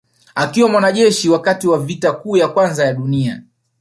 Akiwa mwanajeshi wakati wa vita kuu ya kwanza ya dunia